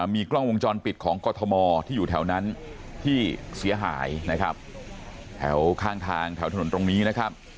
มีกล้องวงจรปิดของกรทมที่อยู่แถวนั้นที่เสียหายนะครับแถวข้างทางแถวถนนตรงนี้นะครับ